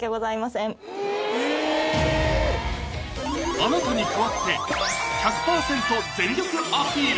あなたに代わって１００％全力アピール！